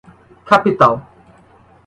capital